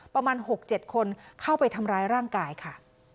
ประมาณ๖๗คนเข้าไปทำร้ายร่างกายค่ะ